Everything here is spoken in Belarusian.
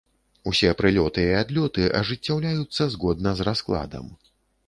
Усе прылёты і адлёты ажыццяўляюцца згодна з раскладам.